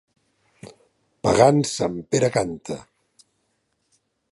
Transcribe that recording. Pagant Sant Pere canta!